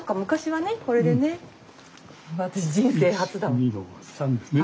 １・２の３ですね。